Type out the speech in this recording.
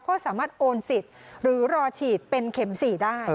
ก็สามารถโอนสิทธิ์หรือรอฉีดเป็นเข็ม๔ได้